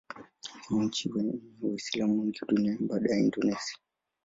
Ni nchi yenye Waislamu wengi duniani baada ya Indonesia.